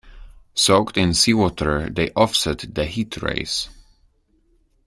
Soaked in seawater they offset the heat rays.